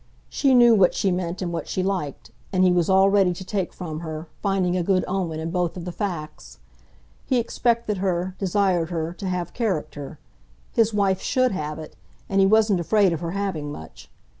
She knew what she meant and what she liked, and he was all ready to take from her, finding a good omen in both of the facts. He expected her, desired her, to have character; his wife SHOULD have it, and he wasn't afraid of her having much.